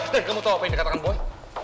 dan kamu tahu apa yang dia katakan boy